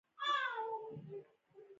د صنعت پراختیا د ستالین په امر ترسره کېده